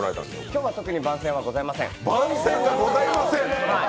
今日は特に番宣はございません。